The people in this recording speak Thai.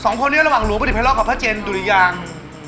สองคนเนี่ยระหว่างหลวงประดิษฐ์ไพร็อล์กับพระเจนดุริยาง